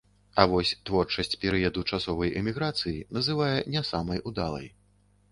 А вось творчасць перыяду часовай эміграцыі называе не самай удалай.